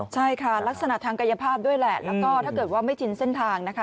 ใช่ค่ะลักษณะทางกายภาพด้วยแหละแล้วก็ถ้าเกิดว่าไม่ชินเส้นทางนะคะ